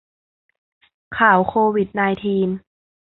ข่าวโควิดไนน์ทีน